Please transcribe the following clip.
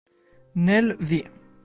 Nel v.